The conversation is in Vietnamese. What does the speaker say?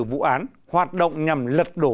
vụ án hoạt động nhằm lật đổ